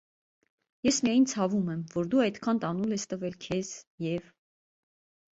Ես միայն ցավում եմ, որ դու այդքան տանուլ ես տվել քեզ, և…